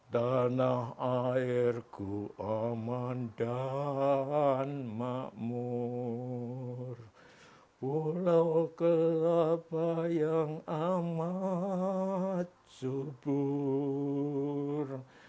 tanah airku aman dahan makmur pulau kelapa yang amat subur